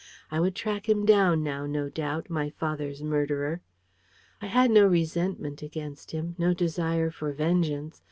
I would track him down now, no doubt my father's murderer! I had no resentment against him, no desire for vengeance.